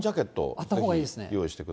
あったほうがいいですね。